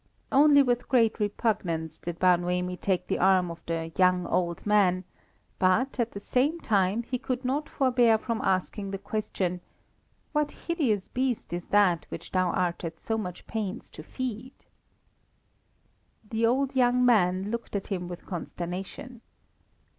Only with great repugnance did Bar Noemi take the arm of the young old man, but, at the same time, he could not forbear from asking the question: "What hideous beast is that which thou art at so much pains to feed?" The old young man looked at him with consternation.